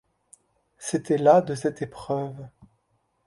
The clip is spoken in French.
C'était la de cette épreuve.